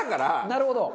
なるほど。